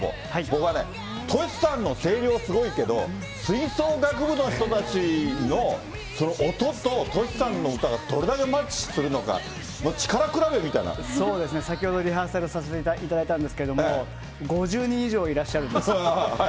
僕は、Ｔｏｓｈｌさんの声量すごいけど、吹奏楽部の人たちの音と、Ｔｏｓｈｌさんの歌がどれだけマッチするのか、もう力比べみたいそうですね、先ほどリハーサルさせていただいたんですけども、５０人以上いらっしゃるんです。